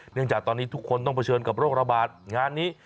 จากตอนนี้ทุกคนต้องเผชิญกับโรคระบาดงานนี้